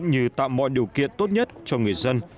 cũng như tạm mọi điều kiện tốt nhất cho người dân